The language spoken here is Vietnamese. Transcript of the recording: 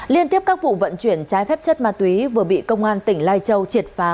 liên tiếp các vụ vận chuyển trái phép chất ma túy vừa bị công an tỉnh lai châu triệt phá